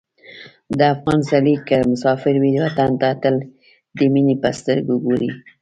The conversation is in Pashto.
د افغان سړی که مسافر وي، وطن ته تل د مینې په سترګه ګوري.